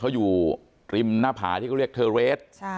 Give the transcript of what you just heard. เขาอยู่ริมหน้าผาที่เขาเรียกเทอร์เรส